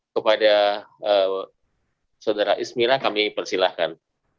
kepada saudara ismira kami persilahkan